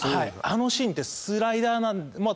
あのシーンってスライダーまあ